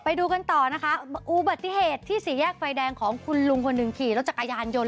ไปดูกันต่อนะคะอุบัติเหตุที่สี่แยกไฟแดงของคุณลุงคนหนึ่งขี่รถจักรยานยนต